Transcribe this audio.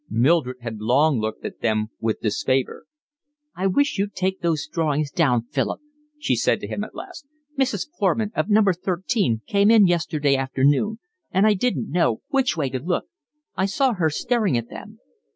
Mildred had long looked at them with disfavour. "I wish you'd take those drawings down, Philip," she said to him at last. "Mrs. Foreman, of number thirteen, came in yesterday afternoon, and I didn't know which way to look. I saw her staring at them."